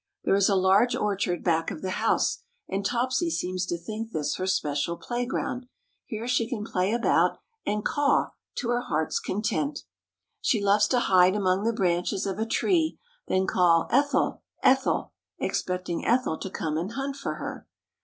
There is a large orchard back of the house, and Topsy seems to think this her special playground. Here she can play about and "caw" to her heart's content. She loves to hide among the branches of a tree, then call, "Ethel, Ethel," expecting Ethel to come and hunt for her.